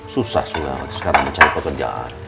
susah juga sekarang mencari pekerjaan